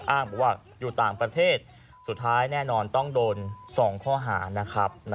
อ้างบอกว่าอยู่ต่างประเทศสุดท้ายแน่นอนต้องโดน๒ข้อหานะครับ